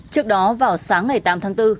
trước đó vào sáng ngày tám tháng bốn